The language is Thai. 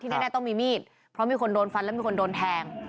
แน่ต้องมีมีดเพราะมีคนโดนฟันและมีคนโดนแทง